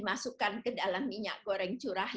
masa pertama jelas saja minyak goreng itu curah